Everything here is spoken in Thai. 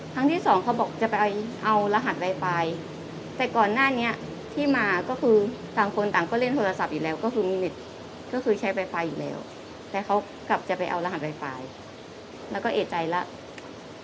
ที่สองเขาบอกจะไปเอารหัสไวไฟแต่ก่อนหน้านี้ที่มาก็คือต่างคนต่างก็เล่นโทรศัพท์อยู่แล้วก็คือมีเน็ตก็คือใช้ไวไฟอยู่แล้วแต่เขากลับจะไปเอารหัสไวไฟแล้วก็เอกใจแล้ว